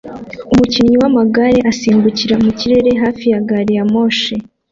Umukinnyi w'amagare asimbukira mu kirere hafi ya gari ya moshi